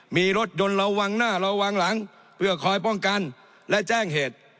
มีรถยนต์เราวางหน้าเราวางหลังเพื่อคอยป้องกันและแจ้งเหตุ